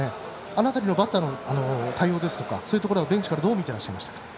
あの時のバッターの対応ですとか、ベンチからどう見ていらっしゃいましたか？